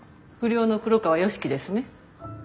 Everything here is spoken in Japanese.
不良の黒川良樹ですね。